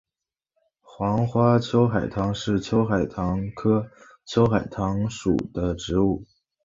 黄花秋海棠是秋海棠科秋海棠属的植物。